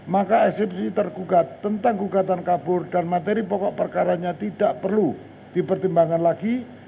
maka eksepsi tergugat tentang gugatan kabur dan materi pokok perkaranya tidak perlu dipertimbangkan lagi